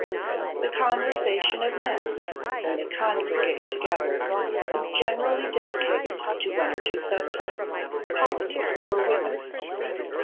The conversation of men, when they congregate together, is generally dedicated to one of two subjects: politics or women.